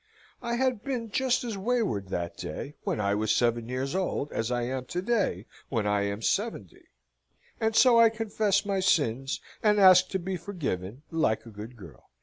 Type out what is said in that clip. I had been just as wayward that day, when I was seven years old, as I am to day, when I am seventy, and so I confess my sins, and ask to be forgiven, like a good girl."